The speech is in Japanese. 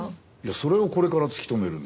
それをこれから突き止めるんだよ。